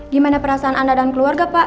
gimana perasaan anda dan keluarga pak